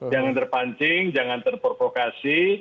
jangan terpancing jangan terprovokasi